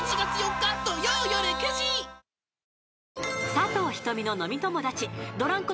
［佐藤仁美の飲み友達ドランク